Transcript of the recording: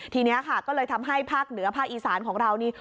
ทีนี้ค่ะก็เลยทำให้ภาคเหนือภาคอีสานของเรานี่